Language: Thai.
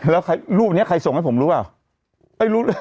แล้วรูปนี้ใครส่งให้ผมรู้อ่ะ